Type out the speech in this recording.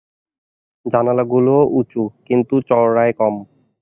জানালাগুলোও উঁচু, কিন্তু চওড়ায় কম।